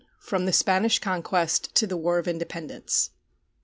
FROM THE SPANISH CONQUEST TO THE WAR OF INDEPENDENCE.